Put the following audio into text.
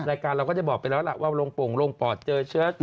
รายการเราก็ได้บอกไปแล้วล่ะว่าลงโป่งลงปอดเจอเชื้อ